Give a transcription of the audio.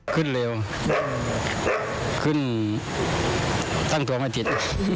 ขึ้นเร็วขึ้นตั้งตัวไม่ติด